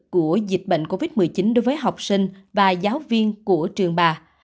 của dịch bệnh covid một mươi chín đối với học sinh và giáo viên của trường bà